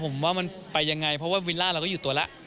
มันไปยังไงเพราะวิลาเราก็อยู่ตัวละ